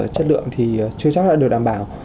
chất lượng thì chưa chắc được đảm bảo